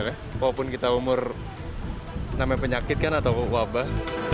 walaupun kita umur namanya penyakit kan atau wabah